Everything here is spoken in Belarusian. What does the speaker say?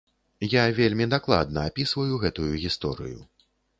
Я вельмі дакладна апісваю гэтую гісторыю.